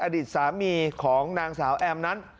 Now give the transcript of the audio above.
อดีตสามีของนางสาวแอมนั้น